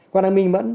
qua đang minh mẫn